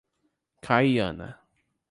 Caiana